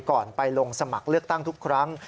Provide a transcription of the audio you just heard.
ไปลงสมัครเลือกตั้งทุกครั้ง